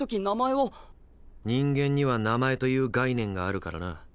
人間には名前という概念があるからな。